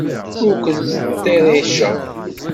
Ur ken-ttṭerriceɣ.